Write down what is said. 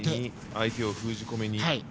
相手を封じ込めに。